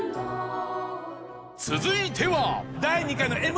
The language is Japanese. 続いては。